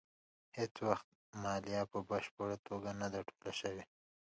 هېڅ وخت مالیه په بشپړه توګه نه ده ټوله شوې.